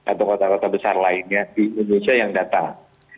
atau kota kota besar lainnya di indonesia yang datang